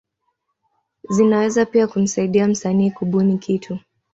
Zinaweza pia kumsaidia msanii kubuni kitu.